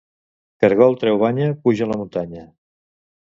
Cargol treu banya puja a la muntanya